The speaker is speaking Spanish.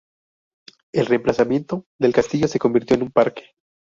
El emplazamiento del castillo se convirtió en un parque.